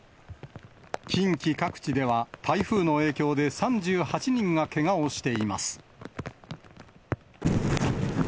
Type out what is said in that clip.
近畿各地では台風の影響で３８人がけがをしています。